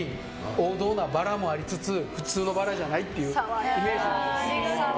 王道なバラもありつつ普通のバラじゃないっていうイメージです。